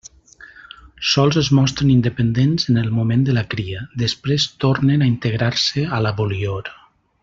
Sols es mostren independents en el moment de la cria, després tornen a integrar-se a la volior.